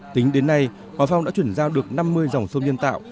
tính đến nay hòa phong đã chuyển giao được năm mươi dòng sông nhân tạo